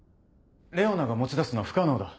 レオナが持ち出すのは不可能だ。